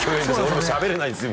俺もしゃべれないんですよ